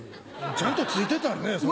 ちゃんとついてたんねそれ。